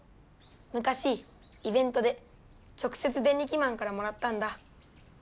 むかしイベントで直せつデンリキマンからもらったんだ。